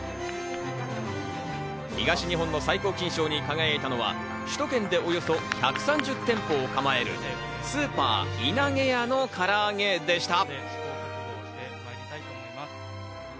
東日本の最高金賞に輝いたのは首都圏でおよそ１３０店舗を構える、スーパー・いなげやの唐揚げでした。